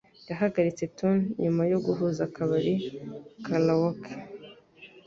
Yahagaritse tune nyuma yo guhuza akabari karaoke.